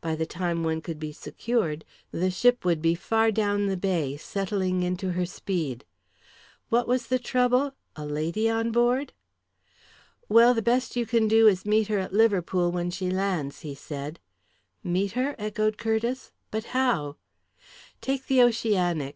By the time one could be secured, the ship would be far down the bay, settling into her speed. What was the trouble a lady on board? "Well, the best you can do is to meet her at Liverpool when she lands," he said. "Meet her?" echoed Curtiss. "But how?" "Take the Oceanic.